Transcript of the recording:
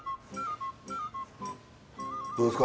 どうですか？